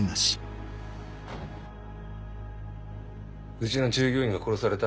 うちの従業員が殺された？